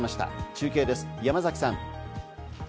中継です、山崎さん。